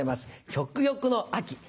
食欲の秋。